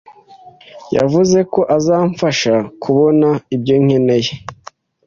yavuze ko azamfasha kubona ibyo nkeneye.